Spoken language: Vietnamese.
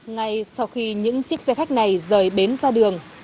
ngay sau khi những chiếc xe khách này rời bến ra đường